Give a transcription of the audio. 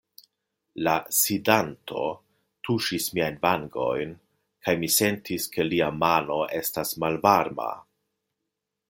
La sidanto tuŝis miajn vangojn, kaj mi sentis, ke lia mano estas malvarma.